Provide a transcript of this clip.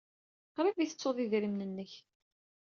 Qrib ay tettuḍ idrimen-nnek.